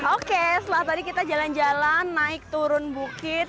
oke setelah tadi kita jalan jalan naik turun bukit